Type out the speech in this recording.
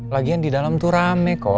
lagian di dalam tuh rame kok